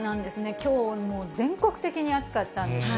きょうも全国的に暑かったんですね。